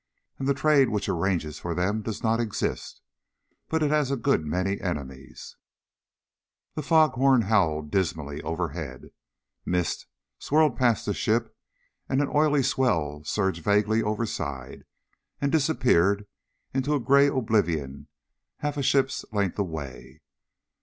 And the Trade, which arranges for them, does not exist. But it has a good many enemies. The fog horn howled dismally overhead. Mist swirled past the ship, and an oily swell surged vaguely overside and disappeared into a gray oblivion half a ship's length away.